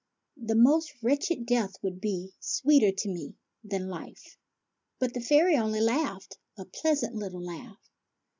The most wretched death would be sweeter to me than life." But the fairy only laughed, — a pleasant little laugh.